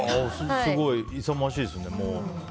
すごい勇ましいですね。